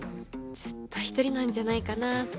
ずっと一人なんじゃないかなって。